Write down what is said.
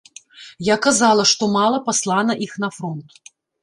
Я казала, што мала паслана іх на фронт.